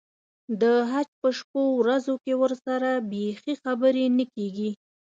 د حج په شپو ورځو کې ورسره بیخي خبرې نه کېږي.